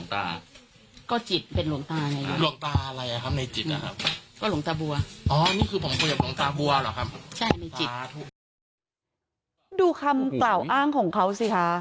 ตาให้ทำบุญทำบุญอะไรอ่ะทำบุญเรื่องในงานอะไร